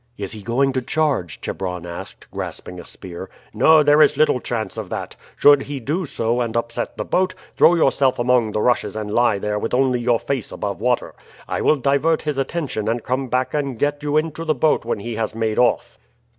"Is he going to charge?" Chebron asked, grasping a spear. "No, there is little chance of that. Should he do so and upset the boat, throw yourself among the rushes and lie there with only your face above water. I will divert his attention and come back and get you into the boat when he has made off."